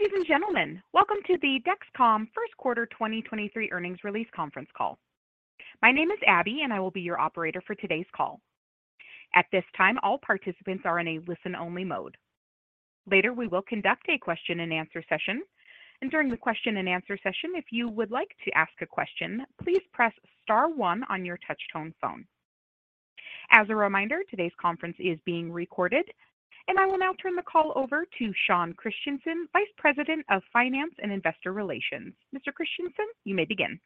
Ladies and gentlemen, welcome to the Dexcom First Quarter 2023 Earnings Release Conference Call. My name is Abby, I will be your operator for today's call. At this time, all participants are in a listen-only mode. Later, we will conduct a question-and-answer session, during the question-and-answer session, if you would like to ask a question, please press star one on your touchtone phone. As a reminder, today's conference is being recorded. I will now turn the call over to Sean Christensen, Vice President of Finance and Investor Relations. Mr. Christensen, you may begin.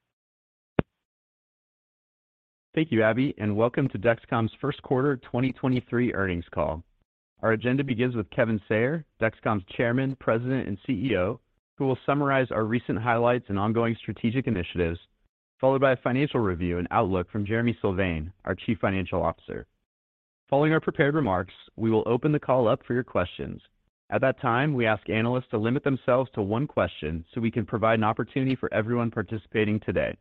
Thank you, Abby, and welcome to Dexcom's First Quarter 2023 Earnings Call. Our agenda begins with Kevin Sayer, Dexcom's Chairman, President, and CEO, who will summarize our recent highlights and ongoing strategic initiatives, followed by a financial review and outlook from Jereme Sylvain, our Chief Financial Officer. Following our prepared remarks, we will open the call up for your questions. At that time, we ask analysts to limit themselves to 1 question so we can provide an opportunity for everyone participating today.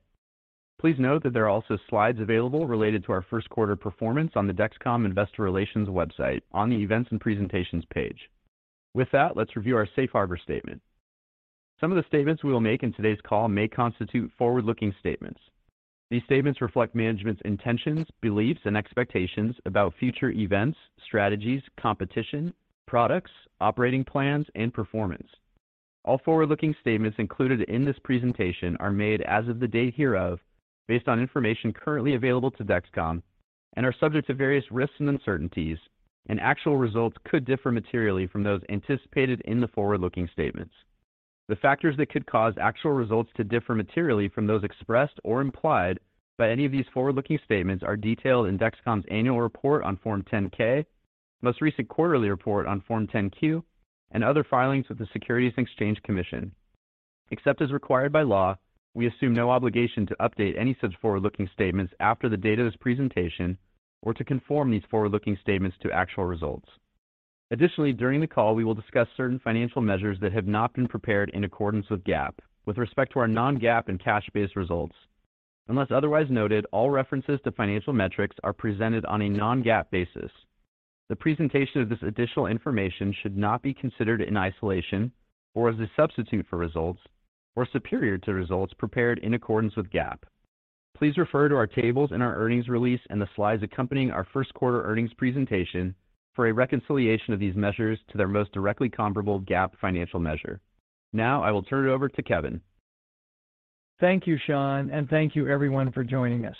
Please note that there are also slides available related to our first quarter performance on the Dexcom Investor Relations website on the Events and Presentations page. With that, let's review our safe harbor statement. Some of the statements we will make in today's call may constitute forward-looking statements. These statements reflect management's intentions, beliefs, and expectations about future events, strategies, competition, products, operating plans, and performance. All forward-looking statements included in this presentation are made as of the date hereof based on information currently available to Dexcom and are subject to various risks and uncertainties, and actual results could differ materially from those anticipated in the forward-looking statements. The factors that could cause actual results to differ materially from those expressed or implied by any of these forward-looking statements are detailed in Dexcom's annual report on Form 10-K, most recent quarterly report on Form 10-Q, and other filings with the Securities and Exchange Commission. Except as required by law, we assume no obligation to update any such forward-looking statements after the date of this presentation or to conform these forward-looking statements to actual results. Additionally, during the call, we will discuss certain financial measures that have not been prepared in accordance with GAAP with respect to our non-GAAP and cash-based results. Unless otherwise noted, all references to financial metrics are presented on a non-GAAP basis. The presentation of this additional information should not be considered in isolation or as a substitute for results or superior to results prepared in accordance with GAAP. Please refer to our tables in our earnings release and the slides accompanying our first quarter earnings presentation for a reconciliation of these measures to their most directly comparable GAAP financial measure. Now, I will turn it over to Kevin. Thank you, Sean, and thank you everyone for joining us.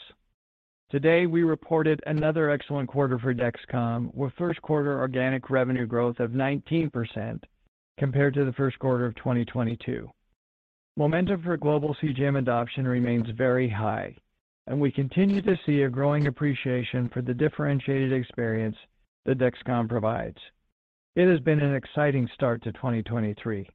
Today, we reported another excellent quarter for Dexcom, with first quarter organic revenue growth of 19% compared to the first quarter of 2022. Momentum for global CGM adoption remains very high, and we continue to see a growing appreciation for the differentiated experience that Dexcom provides. It has been an exciting start to 2023.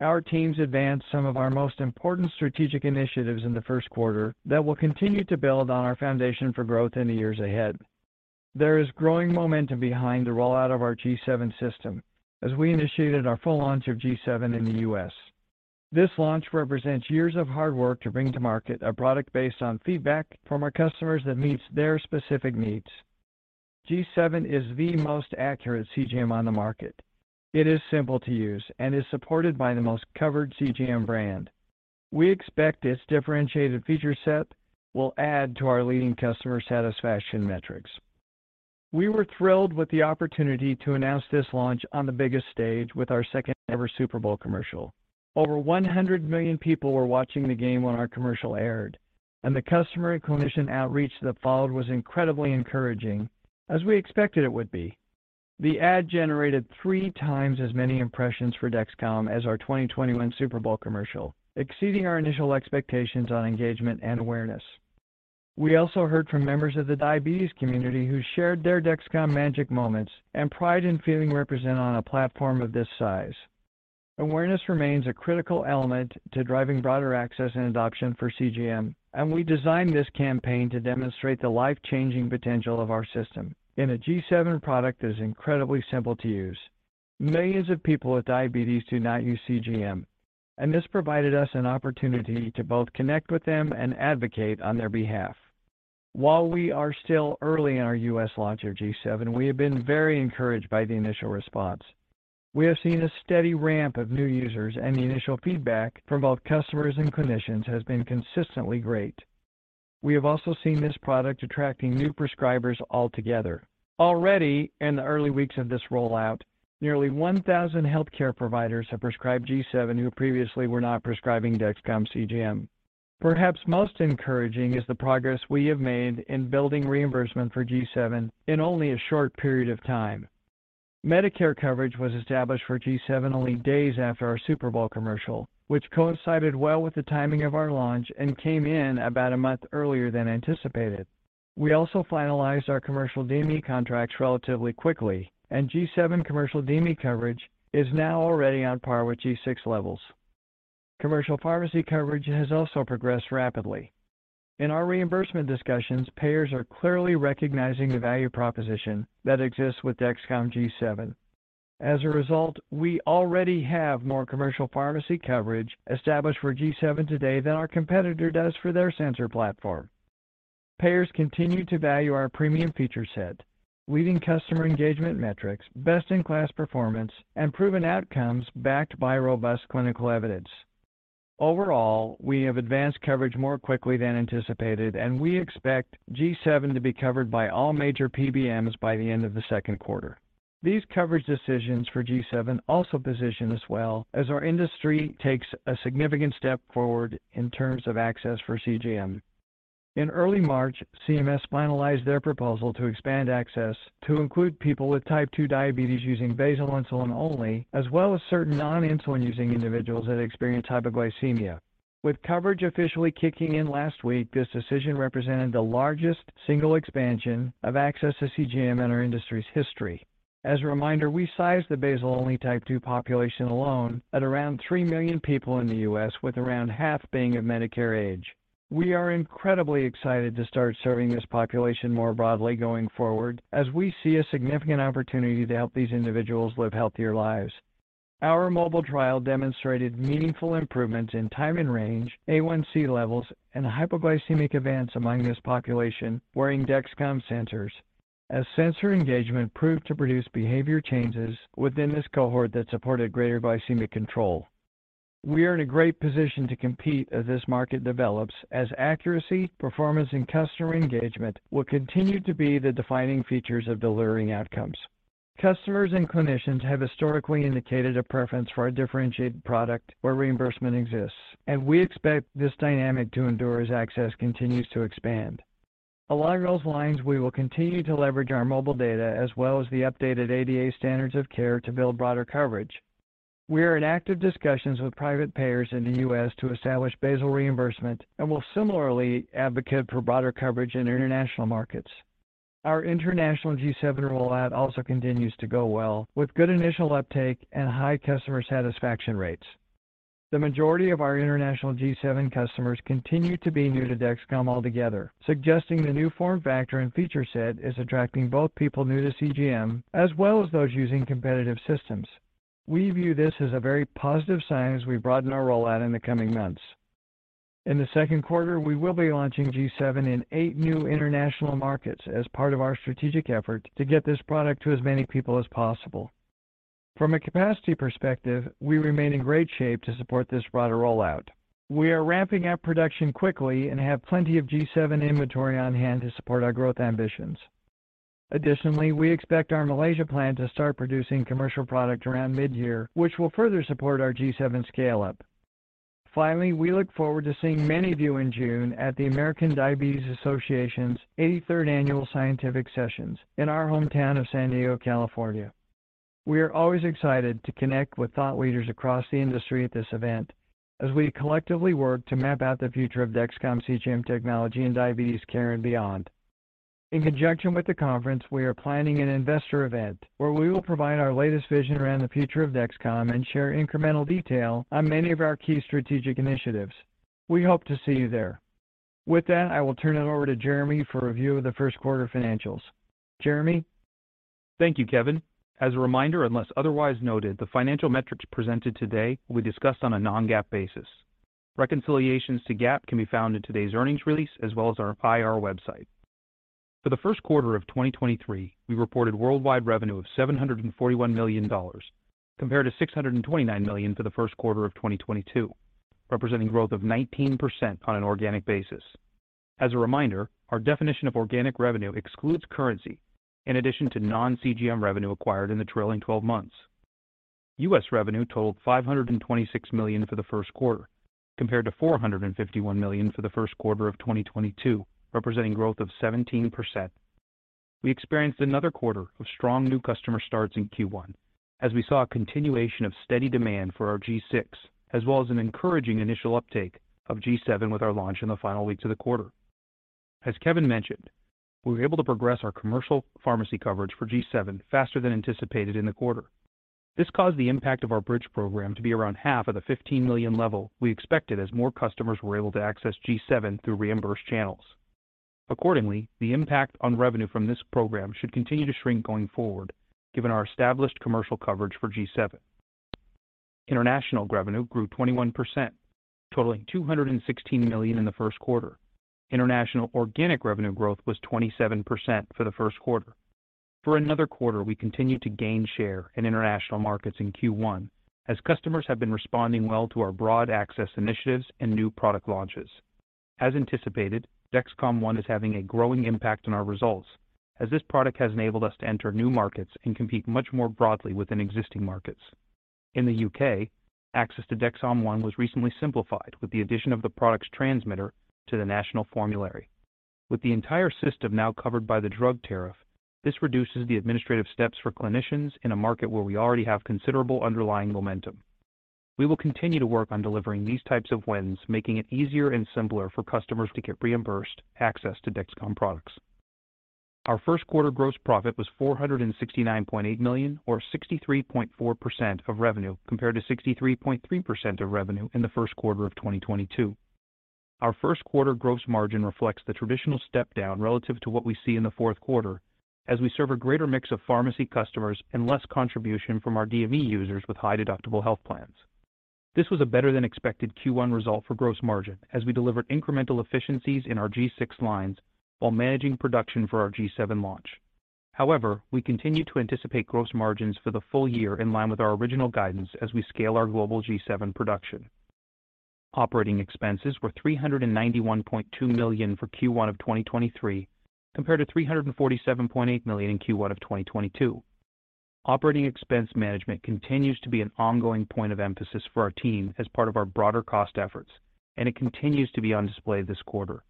Our teams advanced some of our most important strategic initiatives in the first quarter that will continue to build on our foundation for growth in the years ahead. There is growing momentum behind the rollout of our G7 system as we initiated our full launch of G7 in the U.S. This launch represents years of hard work to bring to market a product based on feedback from our customers that meets their specific needs. G7 is the most accurate CGM on the market. It is simple to use and is supported by the most covered CGM brand. We expect its differentiated feature set will add to our leading customer satisfaction metrics. We were thrilled with the opportunity to announce this launch on the biggest stage with our second-ever Super Bowl commercial. Over 100 million people were watching the game when our commercial aired, and the customer and clinician outreach that followed was incredibly encouraging, as we expected it would be. The ad generated 3 times as many impressions for Dexcom as our 2021 Super Bowl commercial, exceeding our initial expectations on engagement and awareness. We also heard from members of the diabetes community who shared their Dexcom magic moments and pride in feeling represented on a platform of this size. Awareness remains a critical element to driving broader access and adoption for CGM, and we designed this campaign to demonstrate the life-changing potential of our system in a G7 product that is incredibly simple to use. Millions of people with diabetes do not use CGM, and this provided us an opportunity to both connect with them and advocate on their behalf. While we are still early in our US launch of G7, we have been very encouraged by the initial response. We have seen a steady ramp of new users, and the initial feedback from both customers and clinicians has been consistently great. We have also seen this product attracting new prescribers altogether. Already, in the early weeks of this rollout, nearly 1,000 healthcare providers have prescribed G7 who previously were not prescribing Dexcom CGM. Perhaps most encouraging is the progress we have made in building reimbursement for G7 in only a short period of time. Medicare coverage was established for G7 only days after our Super Bowl commercial, which coincided well with the timing of our launch and came in about a month earlier than anticipated. We also finalized our commercial DME contracts relatively quickly, and G7 commercial DME coverage is now already on par with G6 levels. Commercial pharmacy coverage has also progressed rapidly. In our reimbursement discussions, payers are clearly recognizing the value proposition that exists with Dexcom G7. As a result, we already have more commercial pharmacy coverage established for G7 today than our competitor does for their sensor platform. Payers continue to value our premium feature set, leading customer engagement metrics, best-in-class performance, and proven outcomes backed by robust clinical evidence. Overall, we have advanced coverage more quickly than anticipated, and we expect G7 to be covered by all major PBMs by the end of the second quarter. These coverage decisions for G7 also position us well as our industry takes a significant step forward in terms of access for CGM. In early March, CMS finalized their proposal to expand access to include people with type 2 diabetes using basal insulin only, as well as certain non-insulin using individuals that experience hypoglycemia. With coverage officially kicking in last week, this decision represented the largest single expansion of access to CGM in our industry's history. As a reminder, we sized the basal-only type 2 population alone at around 3 million people in the U.S., with around half being of Medicare age. We are incredibly excited to start serving this population more broadly going forward as we see a significant opportunity to help these individuals live healthier lives. Our MOBILE trial demonstrated meaningful improvements in time and range, A1C levels, and hypoglycemic events among this population wearing Dexcom sensors as sensor engagement proved to produce behavior changes within this cohort that supported greater glycemic control. We are in a great position to compete as this market develops as accuracy, performance, and customer engagement will continue to be the defining features of delivering outcomes. Customers and clinicians have historically indicated a preference for our differentiated product where reimbursement exists, and we expect this dynamic to endure as access continues to expand. Along those lines, we will continue to leverage our MOBILE data as well as the updated ADA standards of care to build broader coverage. We are in active discussions with private payers in the U.S. to establish basal reimbursement and will similarly advocate for broader coverage in international markets. Our international G7 rollout also continues to go well, with good initial uptake and high customer satisfaction rates. The majority of our international G7 customers continue to be new to Dexcom altogether, suggesting the new form factor and feature set is attracting both people new to CGM as well as those using competitive systems. We view this as a very positive sign as we broaden our rollout in the coming months. In the second quarter, we will be launching G7 in eight new international markets as part of our strategic effort to get this product to as many people as possible. From a capacity perspective, we remain in great shape to support this broader rollout. We are ramping up production quickly and have plenty of G7 inventory on hand to support our growth ambitions. Additionally, we expect our Malaysia plant to start producing commercial product around mid-year, which will further support our G7 scale up. Finally, we look forward to seeing many of you in June at the American Diabetes Association's 83rd Annual Scientific Sessions in our hometown of San Diego, California. We are always excited to connect with thought leaders across the industry at this event as we collectively work to map out the future of Dexcom CGM technology in diabetes care and beyond. In conjunction with the conference, we are planning an investor event where we will provide our latest vision around the future of Dexcom and share incremental detail on many of our key strategic initiatives. We hope to see you there. With that, I will turn it over to Jereme for review of the first quarter financials. Jereme? Thank you, Kevin. As a reminder, unless otherwise noted, the financial metrics presented today will be discussed on a non-GAAP basis. Reconciliations to GAAP can be found in today's earnings release as well as our IR website. For the first quarter of 2023, we reported worldwide revenue of $741 million, compared to $629 million for the first quarter of 2022, representing growth of 19% on an organic basis. As a reminder, our definition of organic revenue excludes currency in addition to non-CGM revenue acquired in the trailing 12 months. U.S. revenue totaled $526 million for the first quarter, compared to $451 million for the first quarter of 2022, representing growth of 17%. We experienced another quarter of strong new customer starts in Q1 as we saw a continuation of steady demand for our G6, as well as an encouraging initial uptake of G7 with our launch in the final weeks of the quarter. As Kevin mentioned, we were able to progress our commercial pharmacy coverage for G7 faster than anticipated in the quarter. This caused the impact of our Bridge program to be around half of the $15 million level we expected as more customers were able to access G7 through reimbursed channels. The impact on revenue from this program should continue to shrink going forward given our established commercial coverage for G7. International revenue grew 21%, totaling $216 million in the first quarter. International organic revenue growth was 27% for the first quarter. For another quarter, we continued to gain share in international markets in Q1 as customers have been responding well to our broad access initiatives and new product launches. As anticipated, Dexcom ONE is having a growing impact on our results as this product has enabled us to enter new markets and compete much more broadly within existing markets. In the U.K., access to Dexcom ONE was recently simplified with the addition of the product's transmitter to the national formulary. With the entire system now covered by the Drug Tariff, this reduces the administrative steps for clinicians in a market where we already have considerable underlying momentum. We will continue to work on delivering these types of wins, making it easier and simpler for customers to get reimbursed access to Dexcom products. Our first quarter gross profit was $469.8 million or 63.4% of revenue compared to 63.3% of revenue in the first quarter of 2022. Our first quarter gross margin reflects the traditional step down relative to what we see in the fourth quarter as we serve a greater mix of pharmacy customers and less contribution from our DME users with high deductible health plans. This was a better than expected Q1 result for gross margin as we delivered incremental efficiencies in our G6 lines while managing production for our G7 launch. However, we continue to anticipate gross margins for the full year in line with our original guidance as we scale our global G7 production. Operating expenses were $391.2 million for Q1 of 2023, compared to $347.8 million in Q1 of 2022. Operating expense management continues to be an ongoing point of emphasis for our team as part of our broader cost efforts. It continues to be on display this quarter.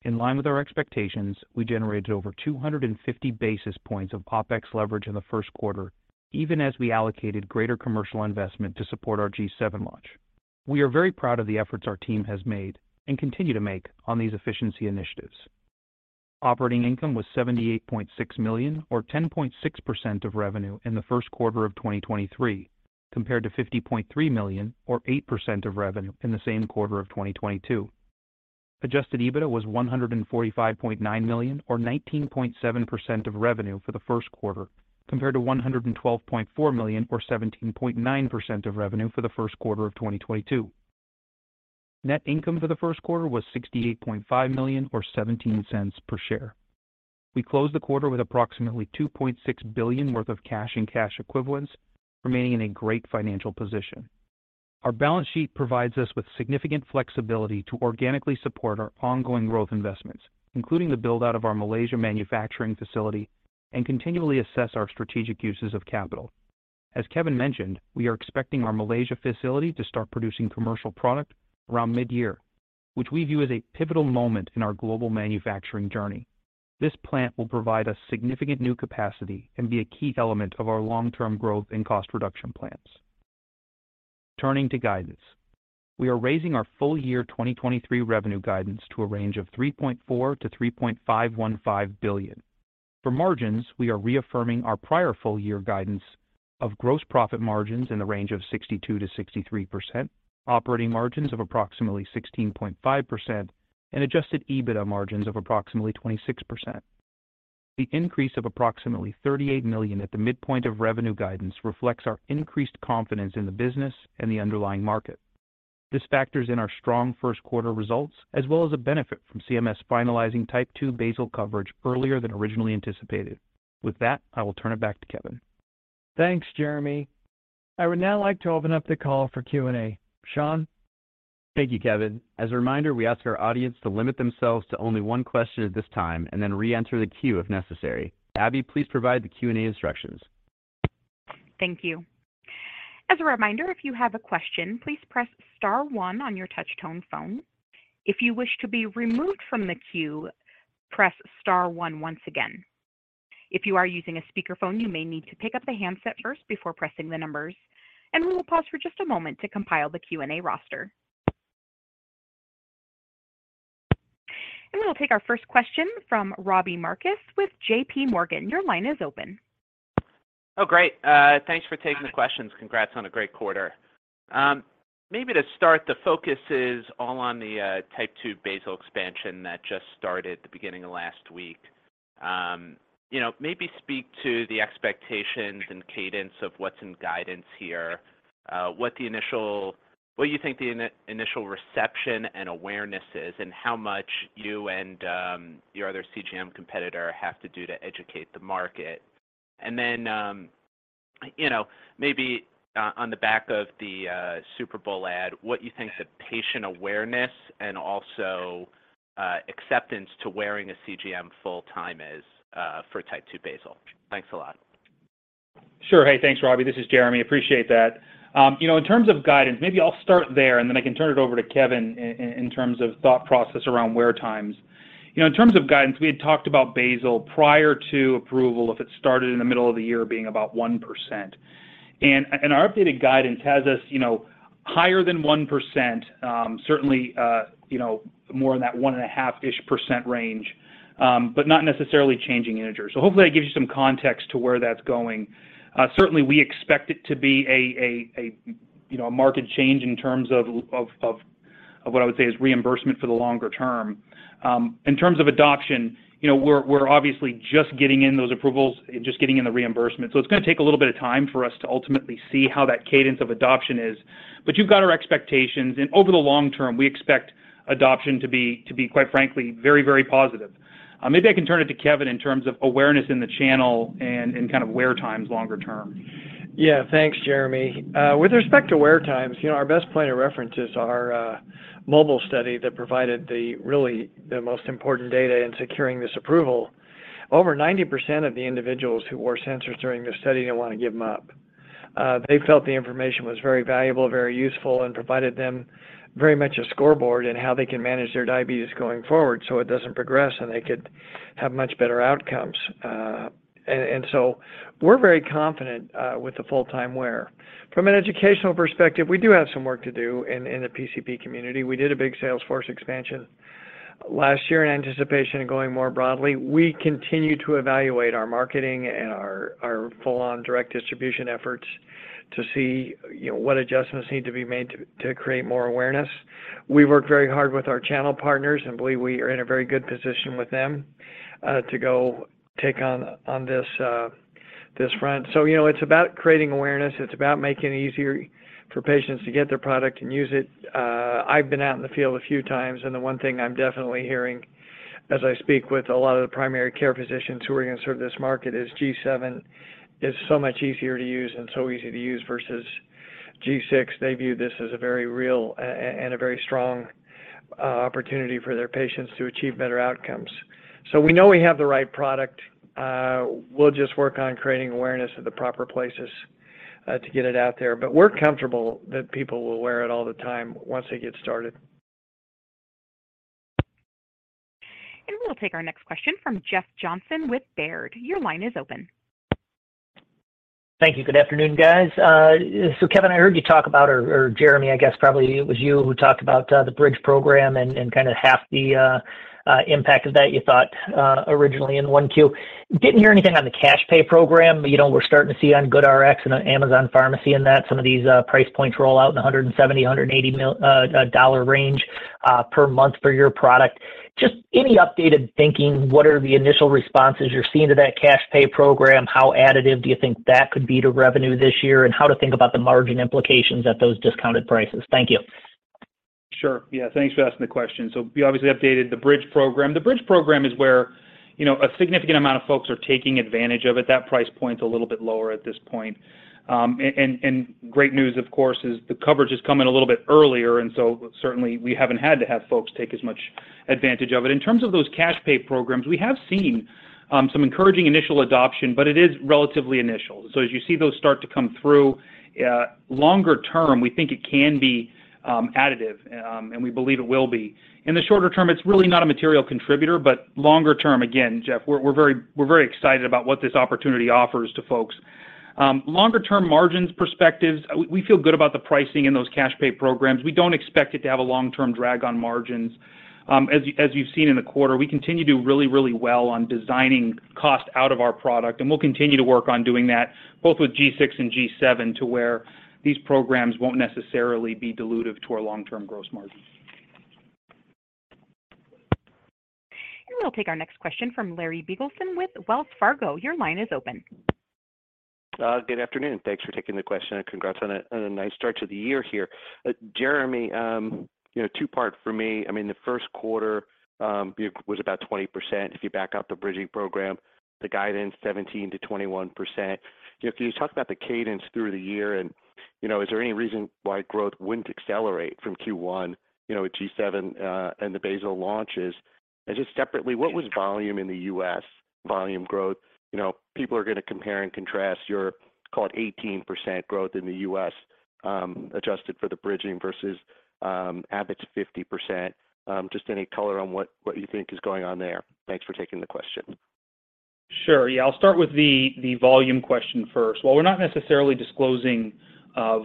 In line with our expectations, we generated over 250 basis points of OpEx leverage in the first quarter, even as we allocated greater commercial investment to support our G7 launch. We are very proud of the efforts our team has made and continue to make on these efficiency initiatives. Operating income was $78.6 million or 10.6% of revenue in the first quarter of 2023, compared to $50.3 million or 8% of revenue in the same quarter of 2022. Adjusted EBITDA was $145.9 million or 19.7% of revenue for the first quarter, compared to $112.4 million or 17.9% of revenue for the first quarter of 2022. Net income for the first quarter was $68.5 million or $0.17 per share. We closed the quarter with approximately $2.6 billion worth of cash and cash equivalents, remaining in a great financial position. Our balance sheet provides us with significant flexibility to organically support our ongoing growth investments, including the build-out of our Malaysia manufacturing facility and continually assess our strategic uses of capital. As Kevin mentioned, we are expecting our Malaysia facility to start producing commercial product around mid-year, which we view as a pivotal moment in our global manufacturing journey. This plant will provide us significant new capacity and be a key element of our long-term growth and cost reduction plans. Turning to guidance, we are raising our full-year 2023 revenue guidance to a range of $3.4 billion-$3.515 billion. For margins, we are reaffirming our prior full-year guidance of gross profit margins in the range of 62%-63%, operating margins of approximately 16.5%, and adjusted EBITDA margins of approximately 26%. The increase of approximately $38 million at the midpoint of revenue guidance reflects our increased confidence in the business and the underlying market. This factors in our strong first quarter results as well as a benefit from CMS finalizing type 2 basal coverage earlier than originally anticipated. With that, I will turn it back to Kevin. Thanks, Jereme. I would now like to open up the call for Q&A. Sean? Thank you, Kevin. As a reminder, we ask our audience to limit themselves to only one question at this time and then reenter the queue if necessary. Abby, please provide the Q&A instructions. Thank you. As a reminder, if you have a question, please press star one on your touch-tone phone. If you wish to be removed from the queue, press star one once again. If you are using a speakerphone, you may need to pick up the handset first before pressing the numbers, we will pause for just a moment to compile the Q&A roster. We'll take our first question from Robbie Marcus with J.P. Morgan. Your line is open. Great. Thanks for taking the questions. Congrats on a great quarter. Maybe to start, the focus is all on the type 2 basal expansion that just started the beginning of last week. You know, maybe speak to the expectations and cadence of what's in guidance here, what you think the initial reception and awareness is, and how much you and your other CGM competitor have to do to educate the market. Then, you know, maybe on the back of the Super Bowl ad, what you think the patient awareness and also acceptance to wearing a CGM full-time is for type 2 basal. Thanks a lot. Sure. Hey, thanks, Robbie. This is Jereme. Appreciate that. You know, in terms of guidance, maybe I'll start there, and then I can turn it over to Kevin in terms of thought process around wear times. You know, in terms of guidance, we had talked about basal prior to approval if it started in the middle of the year being about 1%. Our updated guidance has us, you know, higher than 1%, certainly, you know, more in that 1.5%-ish range, but not necessarily changing integers. Hopefully that gives you some context to where that's going. Certainly, we expect it to be a, you know, a market change in terms of what I would say is reimbursement for the longer term. In terms of adoption, you know, we're obviously just getting in those approvals and just getting in the reimbursement. It's gonna take a little bit of time for us to ultimately see how that cadence of adoption is. You've got our expectations, and over the long term, we expect adoption to be quite frankly, very, very positive. Maybe I can turn it to Kevin in terms of awareness in the channel and kind of wear times longer term. Yeah. Thanks, Jereme. With respect to wear times, you know, our best point of reference is our MOBILE study that provided the really the most important data in securing this approval. Over 90% of the individuals who wore sensors during this study didn't want to give them up. They felt the information was very valuable, very useful, and provided them very much a scoreboard in how they can manage their diabetes going forward, so it doesn't progress. They could have much better outcomes. We're very confident with the full-time wear. From an educational perspective, we do have some work to do in the PCP community. We did a big sales force expansion last year in anticipation of going more broadly. We continue to evaluate our marketing and our full-on direct distribution efforts to see, you know, what adjustments need to be made to create more awareness. We work very hard with our channel partners and believe we are in a very good position with them to go take on this front. You know, it's about creating awareness. It's about making it easier for patients to get their product and use it. I've been out in the field a few times, and the one thing I'm definitely hearing as I speak with a lot of the primary care physicians who are going to serve this market is G7 is so much easier to use and so easy to use versus G6. They view this as a very real and a very strong opportunity for their patients to achieve better outcomes. We know we have the right product. We'll just work on creating awareness at the proper places to get it out there. We're comfortable that people will wear it all the time once they get started. We'll take our next question from Jeff Johnson with Baird. Your line is open. Thank you. Good afternoon, guys. Kevin, I heard you talk about or Jereme, I guess probably it was you who talked about the Bridge program and kind of half the impact of that you thought originally in 1Q. Didn't hear anything on the cash pay program. You know, we're starting to see on GoodRx and on Amazon Pharmacy and that some of these price points roll out in the $170-$180 dollar range per month for your product. Just any updated thinking, what are the initial responses you're seeing to that cash pay program? How additive do you think that could be to revenue this year? How to think about the margin implications at those discounted prices? Thank you. Sure. Yeah, thanks for asking the question. We obviously updated the Bridge program. The Bridge program is where, you know, a significant amount of folks are taking advantage of it. That price point's a little bit lower at this point. And great news, of course, is the coverage is coming a little bit earlier, certainly we haven't had to have folks take as much advantage of it. In terms of those cash pay programs, we have seen some encouraging initial adoption, but it is relatively initial. As you see those start to come through, longer term, we think it can be additive, and we believe it will be. In the shorter term, it's really not a material contributor. Longer term, again, Jeff, we're very excited about what this opportunity offers to folks. Longer term margins perspectives, we feel good about the pricing in those cash pay programs. We don't expect it to have a long-term drag on margins. As you've seen in the quarter, we continue to do really well on designing cost out of our product, and we'll continue to work on doing that both with G6 and G7 to where these programs won't necessarily be dilutive to our long-term gross margin. We'll take our next question from Larry Biegelsen with Wells Fargo. Your line is open. Good afternoon. Thanks for taking the question. Congrats on a nice start to the year here. Jereme, you know, two-part for me. I mean, the first quarter, was about 20% if you back out the bridging program, the guidance 17%-21%. You know, can you talk about the cadence through the year and, you know, is there any reason why growth wouldn't accelerate from Q1, you know, with G7 and the basal launches? Just separately, what was volume in the US, volume growth? You know, people are gonna compare and contrast your, call it, 18% growth in the US, adjusted for the bridging versus Abbott's 50%. Just any color on what you think is going on there. Thanks for taking the question. Sure. I'll start with the volume question first. While we're not necessarily disclosing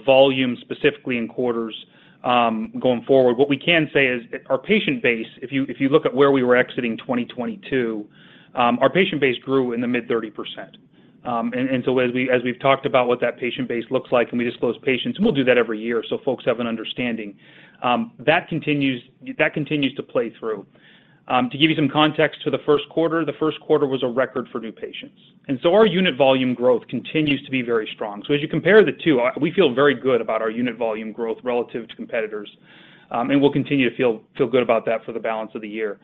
volume specifically in quarters, going forward, what we can say is our patient base, if you, if you look at where we were exiting 2022, our patient base grew in the mid-30%. As we've talked about what that patient base looks like when we disclose patients, and we'll do that every year so folks have an understanding, that continues to play through. To give you some context to the first quarter, the first quarter was a record for new patients. Our unit volume growth continues to be very strong. As you compare the two, we feel very good about our unit volume growth relative to competitors, and we'll continue to feel good about that for the balance of the year.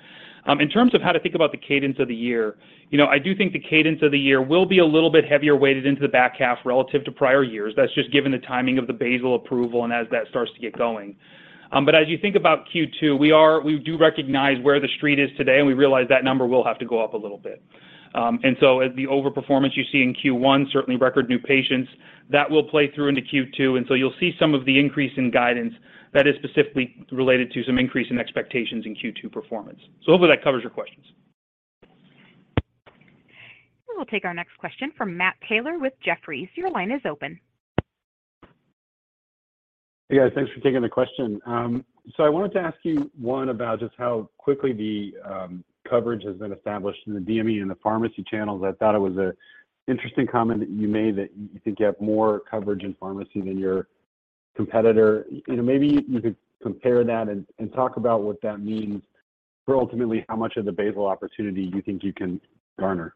In terms of how to think about the cadence of the year, you know, I do think the cadence of the year will be a little bit heavier weighted into the back half relative to prior years. That's just given the timing of the basal approval and as that starts to get going. As you think about Q2, we do recognize where the street is today, and we realize that number will have to go up a little bit. As the overperformance you see in Q1, certainly record new patients, that will play through into Q2, and so you'll see some of the increase in guidance that is specifically related to some increase in expectations in Q2 performance. Hopefully that covers your questions. We'll take our next question from Matt Taylor with Jefferies. Your line is open. Hey, guys. Thanks for taking the question. I wanted to ask you, one, about just how quickly the coverage has been established in the DME and the pharmacy channels. I thought it was a interesting comment that you made that you could get more coverage in pharmacy than your competitor. You know, maybe you could compare that and talk about what that means for ultimately how much of the basal opportunity you think you can garner.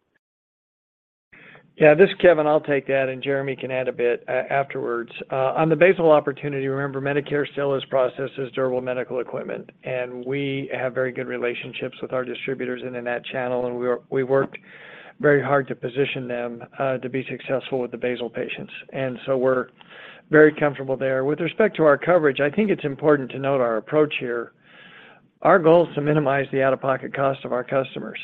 Yeah, this is Kevin. I'll take that, and Jereme can add a bit afterwards. On the basal opportunity, remember Medicare still is processed as durable medical equipment, and we have very good relationships with our distributors and in that channel, and we worked very hard to position them to be successful with the basal patients. We're very comfortable there. With respect to our coverage, I think it's important to note our approach here. Our goal is to minimize the out-of-pocket cost of our customers.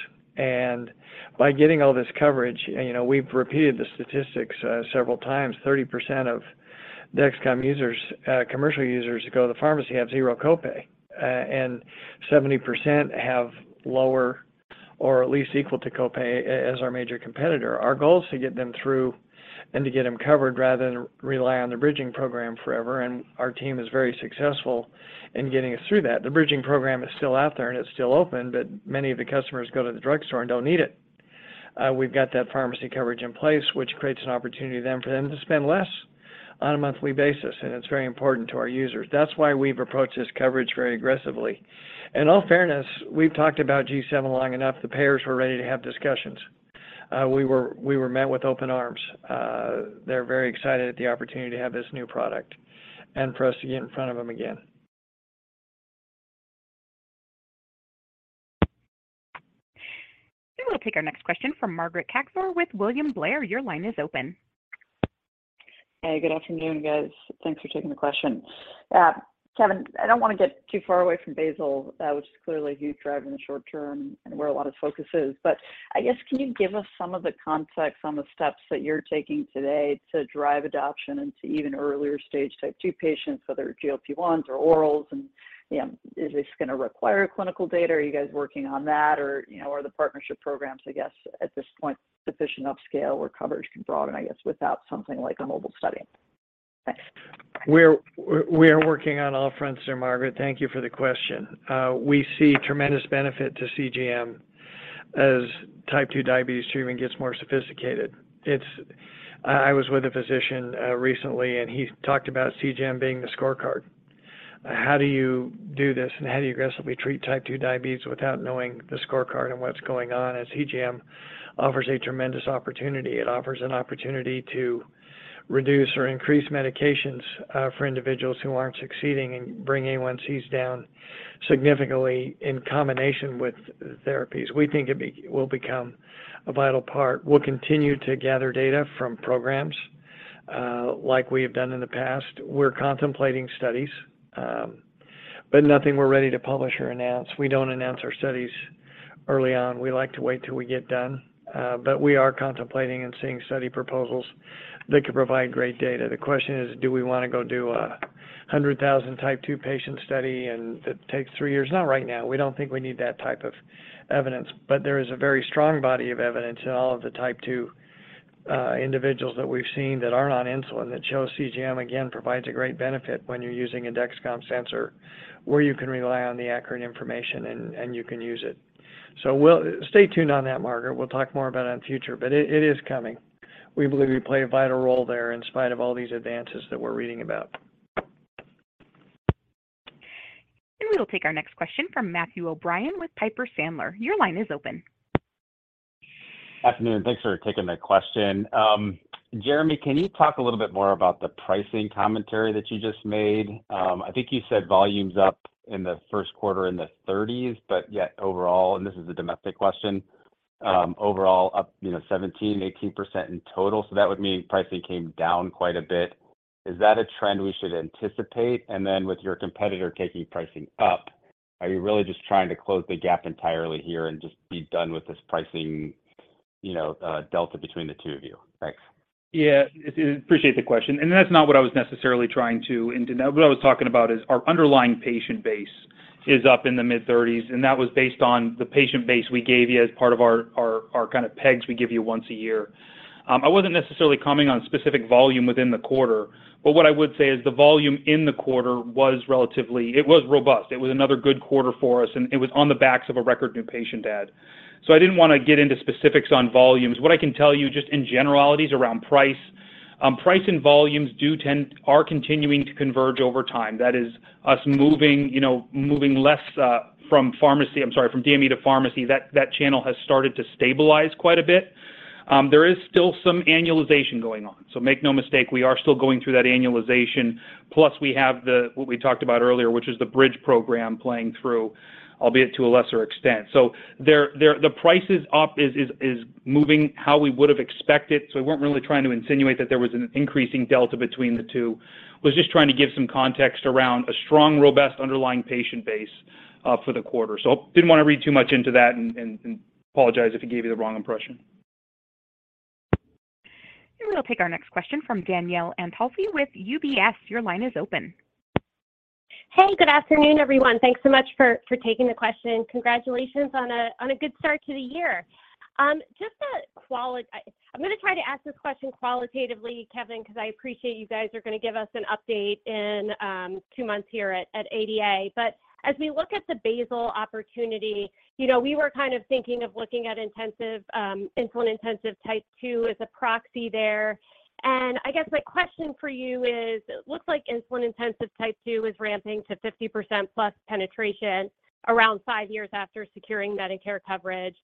By getting all this coverage, you know, we've repeated the statistics several times, 30% of Dexcom users, commercial users who go to the pharmacy have 0 copay, and 70% have lower or at least equal to copay as our major competitor. Our goal is to get them through and to get them covered rather than rely on the bridging program forever. Our team is very successful in getting us through that. The bridging program is still out there, and it's still open. Many of the customers go to the drugstore and don't need it. We've got that pharmacy coverage in place, which creates an opportunity then for them to spend less. On a monthly basis, it's very important to our users. That's why we've approached this coverage very aggressively. In all fairness, we've talked about G7 long enough. The payers were ready to have discussions. We were met with open arms. They're very excited at the opportunity to have this new product and for us to get in front of them again. We will take our next question from Margaret Kaczor with William Blair. Your line is open. Hey, good afternoon, guys. Thanks for taking the question. Kevin, I don't wanna get too far away from basal, which is clearly a huge drive in the short term and where a lot of focus is. I guess, can you give us some of the context on the steps that you're taking today to drive adoption into even earlier stage type 2 patients, whether GLP-1s or orals? You know, is this gonna require clinical data? Are you guys working on that or, you know, are the partnership programs, I guess, at this point, sufficient upscale where coverage can broaden, I guess, without something like a MOBILE study? Thanks. We are working on all fronts there, Margaret. Thank you for the question. We see tremendous benefit to CGM as type 2 diabetes treatment gets more sophisticated. I was with a physician recently, and he talked about CGM being the scorecard. How do you do this, and how do you aggressively treat type 2 diabetes without knowing the scorecard and what's going on? CGM offers a tremendous opportunity. It offers an opportunity to reduce or increase medications for individuals who aren't succeeding and bring A1Cs down significantly in combination with the therapies. We think it will become a vital part. We'll continue to gather data from programs like we have done in the past. We're contemplating studies, but nothing we're ready to publish or announce. We don't announce our studies early on. We like to wait till we get done. We are contemplating and seeing study proposals that could provide great data. The question is, do we wanna go do a 100,000 type 2 patient study and that takes 3 years? Not right now. We don't think we need that type of evidence. There is a very strong body of evidence in all of the type 2 individuals that we've seen that aren't on insulin that show CGM, again, provides a great benefit when you're using a Dexcom sensor, where you can rely on the accurate information and you can use it. Stay tuned on that, Margaret. We'll talk more about it in the future, but it is coming. We believe we play a vital role there in spite of all these advances that we're reading about. We will take our next question from Matthew O'Brien with Piper Sandler. Your line is open. Afternoon. Thanks for taking my question. Jereme, can you talk a little bit more about the pricing commentary that you just made? I think you said volumes up in the first quarter in the 30s, but yet overall, and this is a domestic question, overall up, you know, 17%, 18% in total. That would mean pricing came down quite a bit. Is that a trend we should anticipate? With your competitor taking pricing up, are you really just trying to close the gap entirely here and just be done with this pricing, you know, delta between the two of you? Thanks. Appreciate the question. That's not what I was necessarily trying to. What I was talking about is our underlying patient base is up in the mid-30s, and that was based on the patient base we gave you as part of our kind of pegs we give you once a year. I wasn't necessarily commenting on specific volume within the quarter. What I would say is the volume in the quarter was relatively. It was robust. It was another good quarter for us. It was on the backs of a record new patient add. I didn't wanna get into specifics on volumes. What I can tell you just in generalities around price and volumes are continuing to converge over time. That is us moving, you know, moving less from pharmacy. I'm sorry, from DME to pharmacy. That channel has started to stabilize quite a bit. There is still some annualization going on. Make no mistake, we are still going through that annualization. Plus, we have the, what we talked about earlier, which is the Bridge program playing through, albeit to a lesser extent. There the price is up, is moving how we would've expected. We weren't really trying to insinuate that there was an increasing delta between the two. Was just trying to give some context around a strong, robust underlying patient base for the quarter. Didn't wanna read too much into that and apologize if it gave you the wrong impression. We'll take our next question from Danielle Antalffy with UBS. Your line is open. Hey, good afternoon, everyone. Thanks so much for taking the question. Congratulations on a good start to the year. I'm gonna try to ask this question qualitatively, Kevin, 'cause I appreciate you guys are gonna give us an update in two months here at ADA. As we look at the basal opportunity, you know, we were kind of thinking of looking at intensive insulin intensive type 2 as a proxy there. I guess my question for you is, it looks like insulin intensive type 2 is ramping to 50% plus penetration around 5 years after securing Medicare coverage.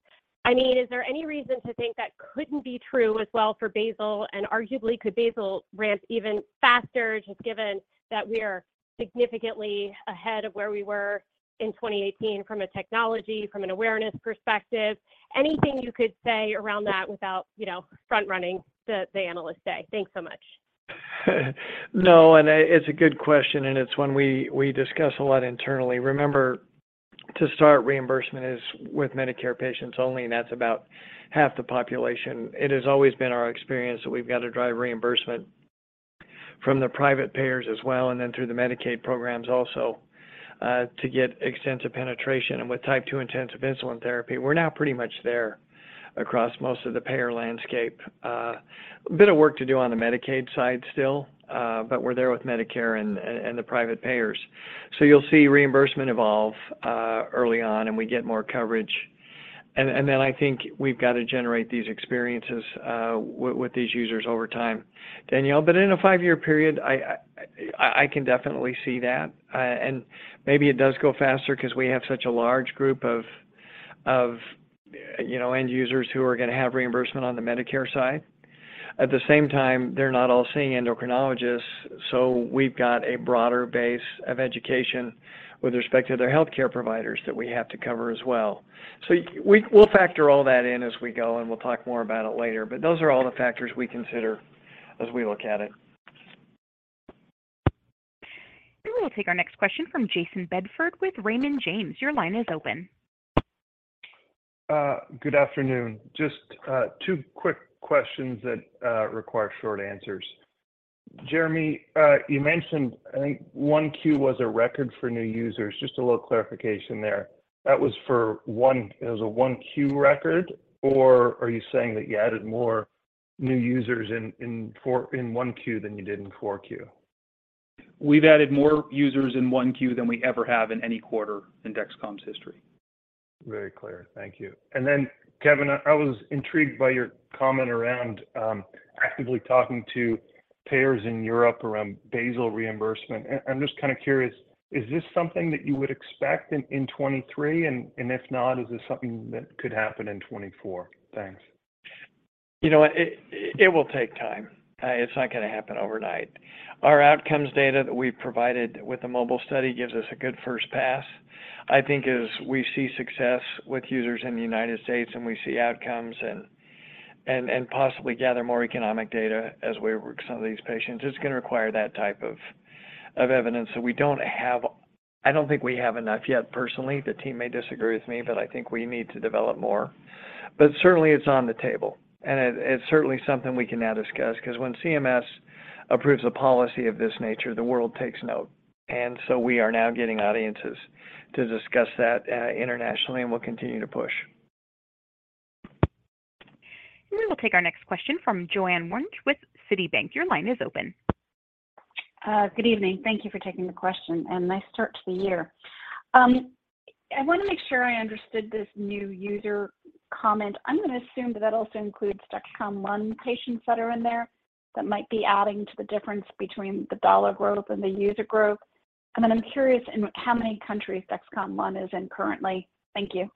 I mean, is there any reason to think that couldn't be true as well for basal? Arguably, could basal ramp even faster, just given that we're significantly ahead of where we were in 2018 from a technology, from an awareness perspective? Anything you could say around that without, you know, front running the Analyst Day. Thanks so much. No, it's a good question, and it's one we discuss a lot internally. Remember, to start reimbursement is with Medicare patients only, and that's about half the population. It has always been our experience that we've got to drive reimbursement from the private payers as well, and then through the Medicaid programs also, to get extensive penetration. With type 2 intensive insulin therapy, we're now pretty much there across most of the payer landscape. A bit of work to do on the Medicaid side still, but we're there with Medicare and the private payers. You'll see reimbursement evolve early on, and we get more coverageAnd then I think we've got to generate these experiences with these users over time, Danielle. In a five-year period, I can definitely see that. Maybe it does go faster because we have such a large group of, you know, end users who are going to have reimbursement on the Medicare side. At the same time, they're not all seeing endocrinologists. We've got a broader base of education with respect to their healthcare providers that we have to cover as well. We'll factor all that in as we go. We'll talk more about it later. Those are all the factors we consider as we look at it. We'll take our next question from Jayson Bedford with Raymond James. Your line is open. Good afternoon. Just 2 quick questions that require short answers. Jereme, you mentioned, I think 1Q was a record for new users. Just a little clarification there. It was a 1Q record, or are you saying that you added more new users in 1Q than you did in 4Q? We've added more users in 1Q than we ever have in any quarter in Dexcom's history. Very clear. Thank you. Kevin, I was intrigued by your comment around actively talking to payers in Europe around basal reimbursement. I'm just kind of curious, is this something that you would expect in 2023? If not, is this something that could happen in 2024? Thanks. You know what? It will take time. It's not going to happen overnight. Our outcomes data that we've provided with the MOBILE study gives us a good first pass. I think as we see success with users in the United States, and we see outcomes and possibly gather more economic data as we work some of these patients, it's going to require that type of evidence. I don't think we have enough yet, personally. The team may disagree with me, I think we need to develop more. Certainly it's on the table. It's certainly something we can now discuss, because when CMS approves a policy of this nature, the world takes note. We are now getting audiences to discuss that internationally, and we'll continue to push. We will take our next question from Joanne Wuensch with Citigroup. Your line is open. Good evening. Thank you for taking the question. Nice start to the year. I want to make sure I understood this new user comment. I'm going to assume that that also includes Dexcom ONE patients that are in there that might be adding to the difference between the dollar growth and the user growth. I'm curious in how many countries Dexcom ONE is in currently. Thank you.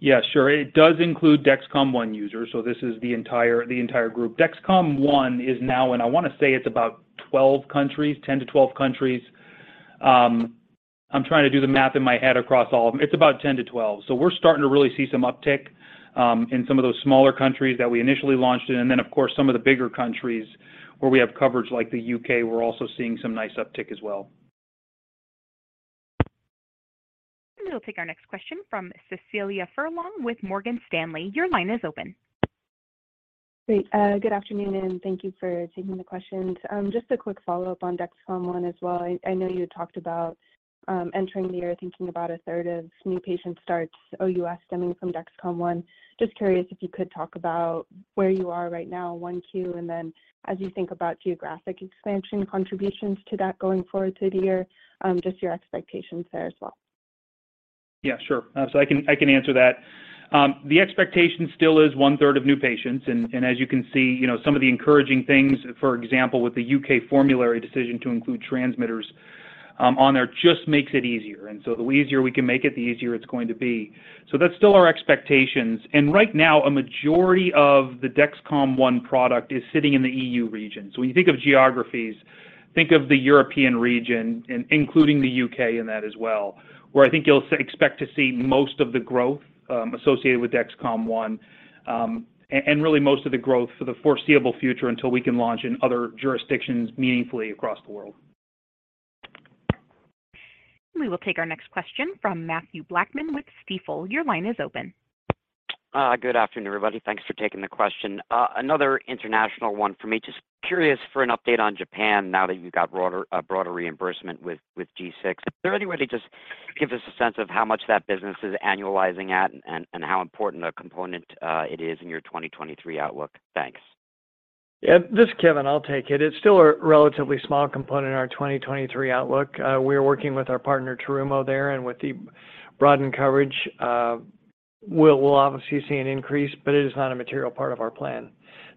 Yeah, sure. It does include Dexcom ONE users, so this is the entire group. Dexcom ONE is now in, I want to say it's about 12 countries, 10-12 countries. I'm trying to do the math in my head across all of them. It's about 10-12. We're starting to really see some uptick in some of those smaller countries that we initially launched in. Of course, some of the bigger countries where we have coverage like the UK, we're also seeing some nice uptick as well. We'll take our next question from Cecilia Furlong with Morgan Stanley. Your line is open. Great. Good afternoon, and thank you for taking the questions. Just a quick follow-up on Dexcom ONE as well. I know you had talked about entering the year thinking about a third of new patient starts OUS stemming from Dexcom ONE. Just curious if you could talk about where you are right now, 1Q, and then as you think about geographic expansion contributions to that going forward through the year, just your expectations there as well. Yeah, sure. I can answer that. The expectation still is one-third of new patients. As you can see, you know, some of the encouraging things, for example, with the U.K. formulary decision to include transmitters, on there just makes it easier. The easier we can make it, the easier it's going to be. That's still our expectations. Right now, a majority of the Dexcom ONE product is sitting in the EU region. When you think of geographies, think of the European region including the U.K. in that as well, where I think you'll expect to see most of the growth, associated with Dexcom ONE, and really most of the growth for the foreseeable future until we can launch in other jurisdictions meaningfully across the world. We will take our next question from Mathew Blackman with Stifel. Your line is open. Good afternoon, everybody. Thanks for taking the question. Another international one for me. Just curious for an update on Japan now that you've got broader reimbursement with G6. Is there any way to just give us a sense of how much that business is annualizing at and how important a component it is in your 2023 outlook? Thanks. Yeah. This is Kevin. I'll take it. It's still a relatively small component in our 2023 outlook. We are working with our partner Terumo there, and with the broadened coverage, we'll obviously see an increase, but it is not a material part of our plan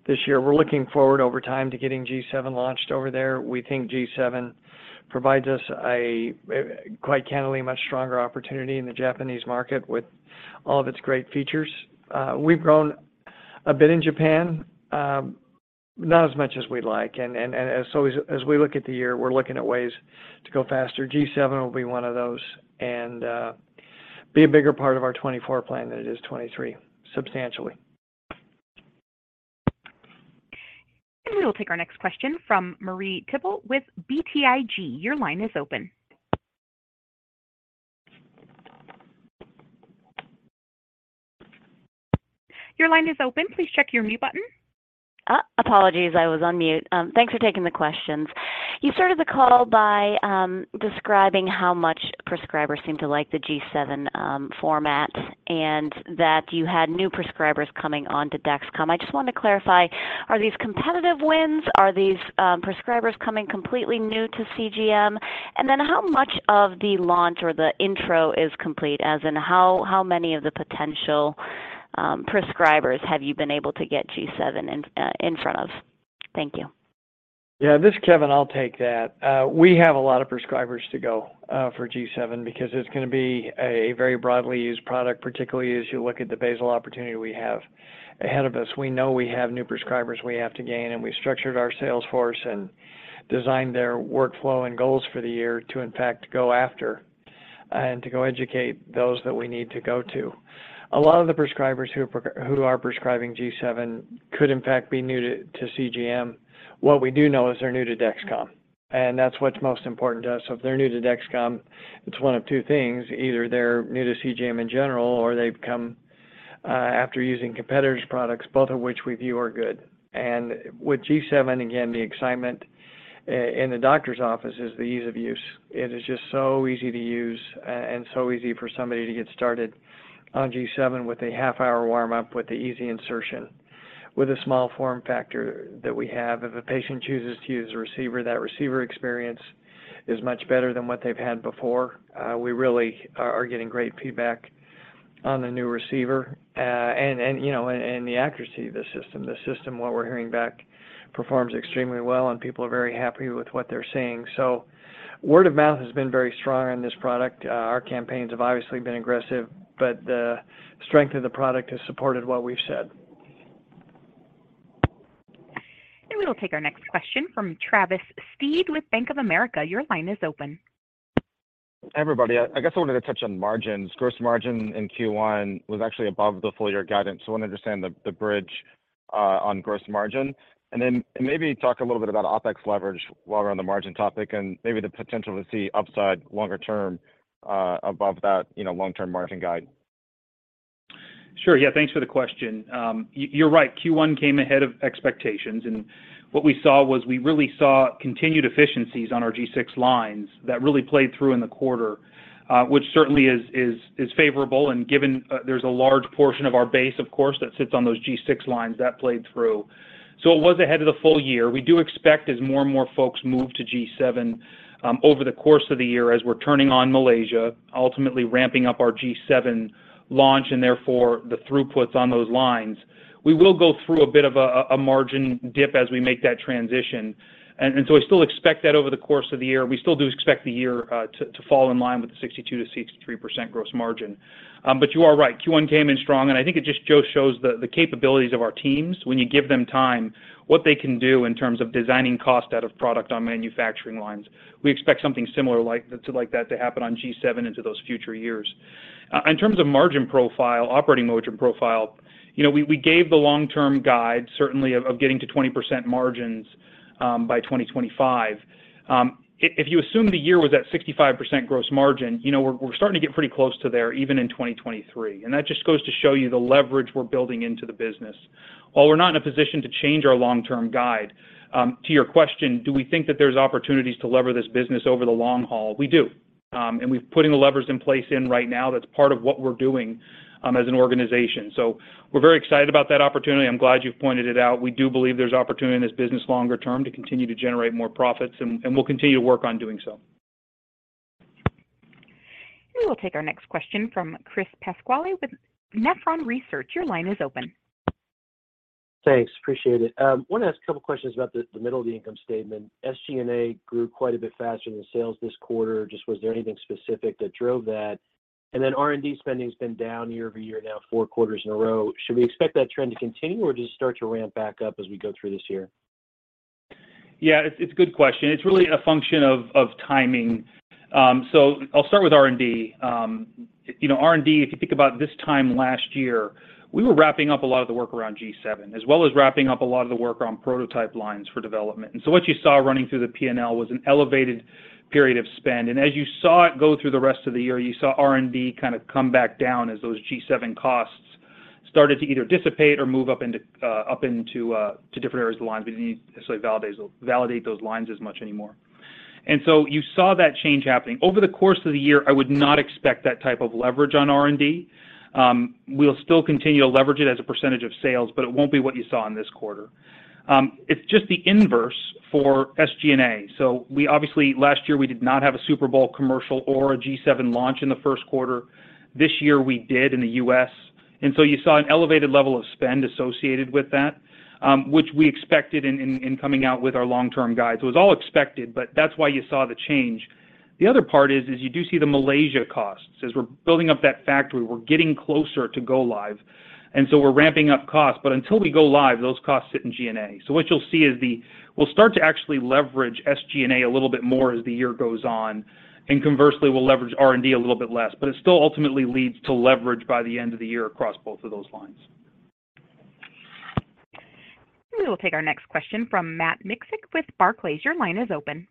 this year. We're looking forward over time to getting G7 launched over there. We think G7 provides us a, quite candidly, much stronger opportunity in the Japanese market with all of its great features. We've grown a bit in Japan, not as much as we'd like. As we look at the year, we're looking at ways to go faster. G7 will be one of those and be a bigger part of our 2024 plan than it is 2023, substantially. We will take our next question from Marie Thibault with BTIG. Your line is open. Please check your mute button. Apologies. I was on mute. Thanks for taking the questions. You started the call by describing how much prescribers seem to like the G7 format and that you had new prescribers coming on to Dexcom. I just wanted to clarify, are these competitive wins? Are these prescribers coming completely new to CGM? How much of the launch or the intro is complete as in how many of the potential prescribers have you been able to get G7 in front of? Thank you. Yeah, this is Kevin. I'll take that. We have a lot of prescribers to go for G7 because it's gonna be a very broadly used product, particularly as you look at the basal opportunity we have ahead of us. We know we have new prescribers we have to gain, and we structured our sales force and designed their workflow and goals for the year to in fact go after and to go educate those that we need to go to. A lot of the prescribers who are prescribing G7 could in fact be new to CGM. What we do know is they're new to Dexcom, and that's what's most important to us. If they're new to Dexcom, it's one of two things. Either they're new to CGM in general or they've come after using competitors' products, both of which we view are good. With G7, again, the excitement in the doctor's office is the ease of use. It is just so easy to use and so easy for somebody to get started on G7 with a half hour warm-up, with the easy insertion, with the small form factor that we have. If a patient chooses to use a receiver, that receiver experience is much better than what they've had before. We really are getting great feedback on the new receiver. You know, and the accuracy of the system. The system, what we're hearing back, performs extremely well, and people are very happy with what they're seeing. Word of mouth has been very strong on this product. ur campaigns have obviously been aggressive, but the strength of the product has supported what we've said. We'll take our next question from Travis Steed with Bank of America. Your line is open. Everybody, I guess I wanted to touch on margins. Gross margin in Q1 was actually above the full year guidance. I wanna understand the bridge on gross margin. Maybe talk a little bit about OpEx leverage while we're on the margin topic, and maybe the potential to see upside longer term above that, you know, long-term margin guide. Sure. Yeah. Thanks for the question. You're right. Q1 came ahead of expectations, and what we saw was we really saw continued efficiencies on our G6 lines that really played through in the quarter, which certainly is favorable. Given there's a large portion of our base, of course, that sits on those G6 lines, that played through. It was ahead of the full year. We do expect as more and more folks move to G7 over the course of the year as we're turning on Malaysia, ultimately ramping up our G7 launch, and therefore the throughputs on those lines. We will go through a bit of a margin dip as we make that transition. We still expect that over the course of the year. We still do expect the year to fall in line with the 62%-63% gross margin. You are right, Q1 came in strong, and I think it just shows the capabilities of our teams when you give them time, what they can do in terms of designing cost out of product on manufacturing lines. We expect something similar like that to happen on G7 into those future years. In terms of margin profile, operating margin profile, you know, we gave the long-term guide certainly of getting to 20% margins by 2025. If you assume the year was at 65% gross margin, you know, we're starting to get pretty close to there even in 2023. That just goes to show you the leverage we're building into the business. While we're not in a position to change our long-term guide, to your question, do we think that there's opportunities to lever this business over the long haul? We do. We're putting the levers in place right now. That's part of what we're doing as an organization. We're very excited about that opportunity. I'm glad you've pointed it out. We do believe there's opportunity in this business longer term to continue to generate more profits and we'll continue to work on doing so. We will take our next question from Chris Pasquale with Nephron Research. Your line is open. Thanks. Appreciate it. Wanted to ask a couple questions about the middle of the income statement. SG&A grew quite a bit faster than sales this quarter. Just was there anything specific that drove that? R&D spending's been down year-over-year now 4 quarters in a row. Should we expect that trend to continue, or does it start to ramp back up as we go through this year? Yeah. It's, it's a good question. It's really a function of timing. I'll start with R&D. You know, R&D, if you think about this time last year, we were wrapping up a lot of the work around G7, as well as wrapping up a lot of the work on prototype lines for development. What you saw running through the P&L was an elevated period of spend. As you saw it go through the rest of the year, you saw R&D kind of come back down as those G7 costs started to either dissipate or move up into different areas of the line. We didn't need to necessarily validate those lines as much anymore. You saw that change happening. Over the course of the year, I would not expect that type of leverage on R&D. We'll still continue to leverage it as a % of sales, but it won't be what you saw in this quarter. It's just the inverse for SG&A. We obviously, last year, we did not have a Super Bowl commercial or a G7 launch in the first quarter. This year we did in the U.S. You saw an elevated level of spend associated with that, which we expected in coming out with our long-term guides. It was all expected, that's why you saw the change. The other part is you do see the Malaysia costs. As we're building up that factory, we're getting closer to go live, we're ramping up costs. Until we go live, those costs sit in G&A. What you'll see is we'll start to actually leverage SG&A a little bit more as the year goes on, and conversely, we'll leverage R&D a little bit less. It still ultimately leads to leverage by the end of the year across both of those lines. We will take our next question from Matt Miksic with Barclays. Your line is open.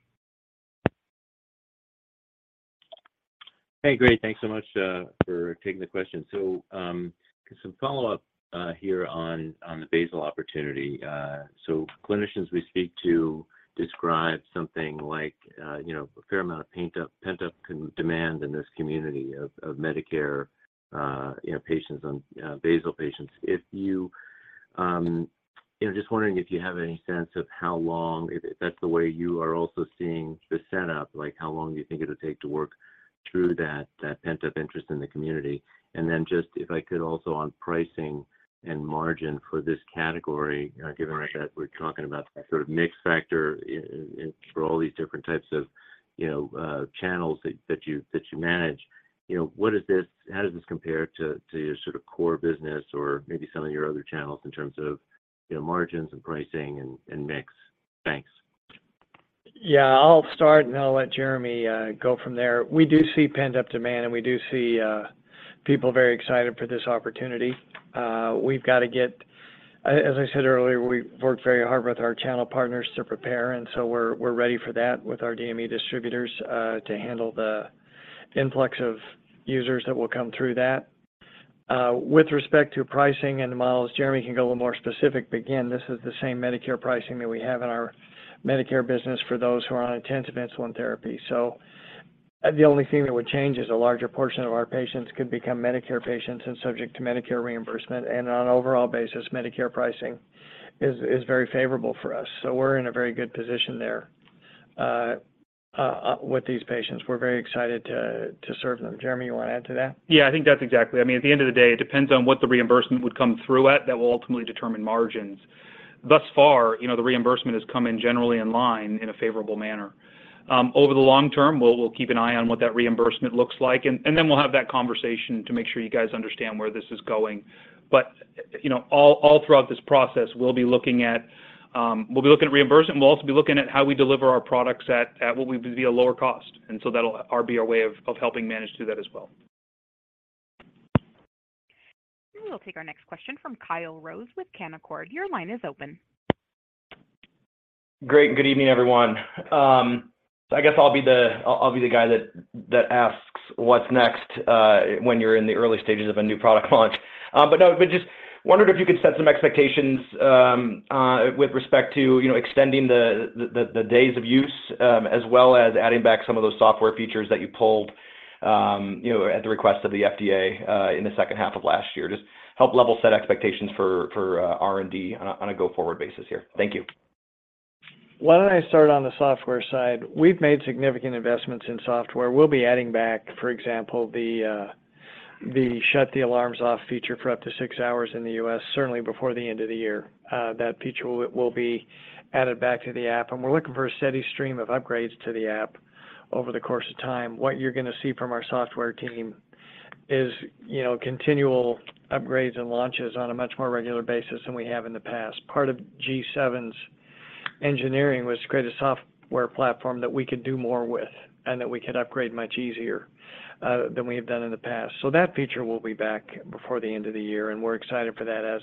Hey, great. Thanks so much, for taking the question. Some follow-up here on the basal opportunity. Clinicians we speak to describe something like, you know, a fair amount of pent-up demand in this community of Medicare, you know, patients and, basal patients. If you, you know, just wondering if you have any sense of how long, if that's the way you are also seeing the setup, like how long do you think it'll take to work through that pent-up interest in the community? And then just if I could also on pricing and margin for this category, given that we're talking about the sort of mix factor for all these different types of, you know, channels that you manage. You know, how does this compare to your sort of core business or maybe some of your other channels in terms of, you know, margins and pricing and mix? Thanks. Yeah. I'll start, then I'll let Jereme go from there. We do see pent-up demand, we do see people very excited for this opportunity. As I said earlier, we worked very hard with our channel partners to prepare, so we're ready for that with our DME distributors to handle the influx of users that will come through that. With respect to pricing and the models, Jereme can go a little more specific, again, this is the same Medicare pricing that we have in our Medicare business for those who are on intensive insulin therapy. The only thing that would change is a larger portion of our patients could become Medicare patients and subject to Medicare reimbursement. On an overall basis, Medicare pricing is very favorable for us. We're in a very good position there with these patients. We're very excited to serve them. Jereme, you want to add to that? Yeah, I think that's exactly. I mean, at the end of the day, it depends on what the reimbursement would come through at. That will ultimately determine margins. Thus far, you know, the reimbursement has come in generally in line in a favorable manner. Over the long term, we'll keep an eye on what that reimbursement looks like, and then we'll have that conversation to make sure you guys understand where this is going. You know, all throughout this process, we'll be looking at reimbursement. We'll also be looking at how we deliver our products at what would be a lower cost, and so that'll be our way of helping manage through that as well. We will take our next question from Kyle Rose with Canaccord. Your line is open. Great. Good evening, everyone. I guess I'll be the guy that asks what's next when you're in the early stages of a new product launch. No, just wondered if you could set some expectations with respect to, you know, extending the days of use as well as adding back some of those software features that you pulled, you know, at the request of the FDA in the second half of last year. Just help level set expectations for R&D on a go-forward basis here. Thank you. Why don't I start on the software side? We've made significant investments in software. We'll be adding back, for example, the shut the alarms off feature for up to six hours in the U.S. certainly before the end of the year. That feature will be added back to the app, and we're looking for a steady stream of upgrades to the app over the course of time. What you're gonna see from our software team is, you know, continual upgrades and launches on a much more regular basis than we have in the past. Part of G7's engineering was to create a software platform that we could do more with and that we could upgrade much easier than we have done in the past. That feature will be back before the end of the year, and we're excited for that as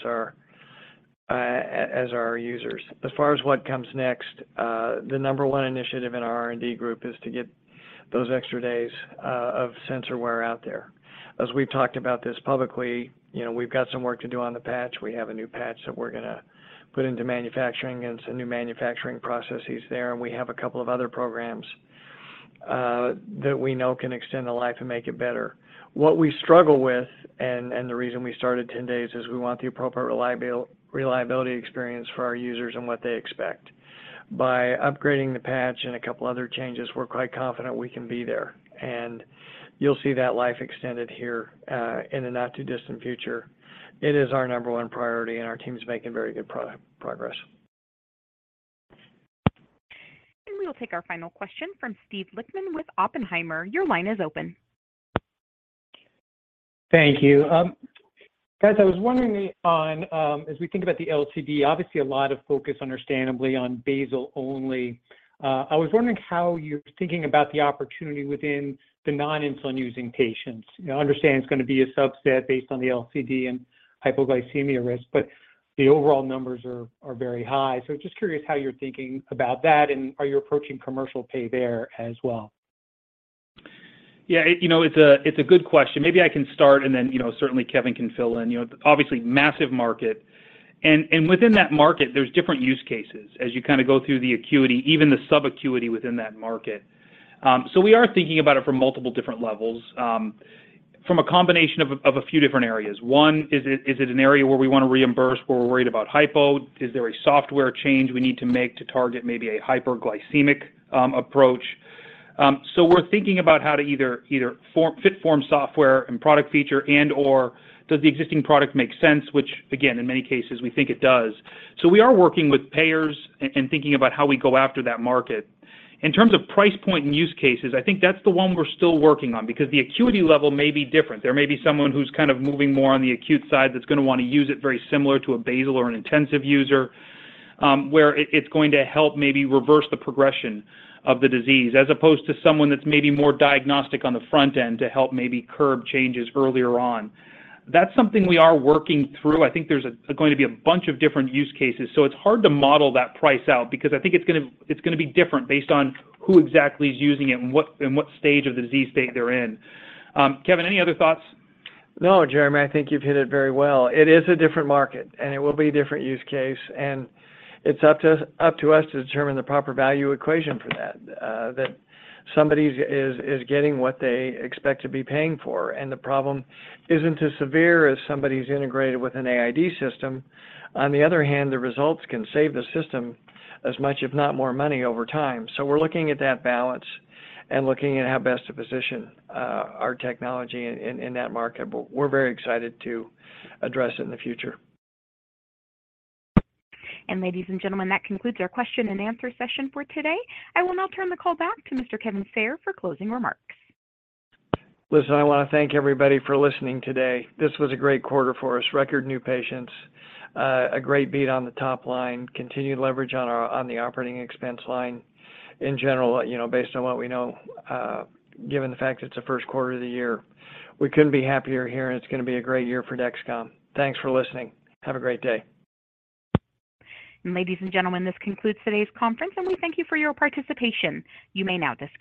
our users. As far as what comes next, the number 1 initiative in our R&D group is to get those extra days of sensor wear out there. As we've talked about this publicly, you know, we've got some work to do on the patch. We have a new patch that we're gonna put into manufacturing, some new manufacturing processes there. We have a couple of other programs that we know can extend the life and make it better. What we struggle with, and the reason we started 10 days, is we want the appropriate reliability experience for our users and what they expect. By upgrading the patch and a couple other changes, we're quite confident we can be there, and you'll see that life extended here, in the not too distant future. It is our number one priority, and our team's making very good progress. We will take our final question from Steve Lichtman with Oppenheimer. Your line is open. Thank you. Guys, I was wondering on, as we think about the LCD, obviously a lot of focus understandably on basal only. I was wondering how you're thinking about the opportunity within the non-insulin using patients. You know, I understand it's gonna be a subset based on the LCD and hypoglycemia risk, but the overall numbers are very high. Just curious how you're thinking about that, and are you approaching commercial pay there as well? Yeah. You know, it's a good question. Maybe I can start, and then, you know, certainly Kevin can fill in. You know, obviously, massive market. Within that market, there's different use cases as you kind of go through the acuity, even the sub-acuity within that market. So we are thinking about it from multiple different levels, from a combination of a few different areas. One, is it an area where we wanna reimburse where we're worried about hypo? Is there a software change we need to make to target maybe a hyperglycemic approach? So we're thinking about how to either form, fit form software and product feature and/or does the existing product make sense, which again, in many cases we think it does. We are working with payers and thinking about how we go after that market. In terms of price point and use cases, I think that's the one we're still working on because the acuity level may be different. There may be someone who's kind of moving more on the acute side that's gonna wanna use it very similar to a basal or an intensive user, where it's going to help maybe reverse the progression of the disease as opposed to someone that's maybe more diagnostic on the front end to help maybe curb changes earlier on. That's something we are working through. I think there's going to be a bunch of different use cases, so it's hard to model that price out because I think it's gonna be different based on who exactly is using it and what stage of disease state they're in. Kevin, any other thoughts? No, Jereme, I think you've hit it very well. It is a different market, and it will be a different use case, and it's up to us to determine the proper value equation for that somebody is getting what they expect to be paying for. The problem isn't as severe as somebody who's integrated with an AID system. On the other hand, the results can save the system as much if not more money over time. We're looking at that balance and looking at how best to position our technology in that market. We're very excited to address it in the future. Ladies and gentlemen, that concludes our question and answer session for today. I will now turn the call back to Mr. Sean Christensen for closing remarks. Listen, I wanna thank everybody for listening today. This was a great quarter for us. Record new patients, a great beat on the top line, continued leverage on our, on the operating expense line. In general, you know, based on what we know, given the fact it's the first quarter of the year, we couldn't be happier here, and it's gonna be a great year for Dexcom. Thanks for listening. Have a great day. Ladies and gentlemen, this concludes today's conference, and we thank you for your participation. You may now disconnect.